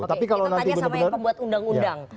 kita tanya sama yang pembuat undang undang